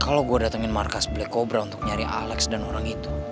kalau gue datangin markas black cobra untuk nyari alex dan orang itu